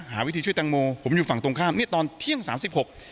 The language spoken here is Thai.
หาวิธีช่วยแตงโมผมอยู่ฝั่งตรงข้ามเนี้ยตอนเที่ยงสามสิบหก